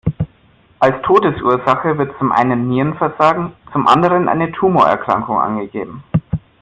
Als Todesursache wird zum einen Nierenversagen, zum anderen eine Tumorerkrankung angegeben.